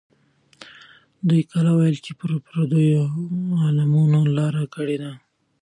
دوی کله ویل چې پردیو علمونو لاره کړې ده.